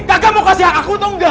kak kamu kasih hak aku atau enggak